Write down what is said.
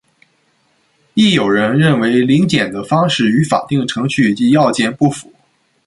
亦有人认为临检的方式与法定程序及要件不符。